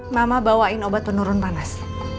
mama bawain obat penurun panas